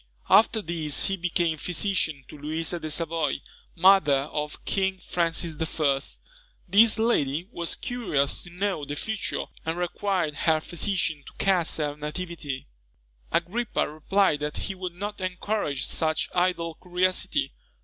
After this he became physician to Louisa de Savoy, mother of King Francis I. This lady was curious to know the future, and required her physician to cast her nativity. Agrippa replied that he would not encourage such idle curiosity.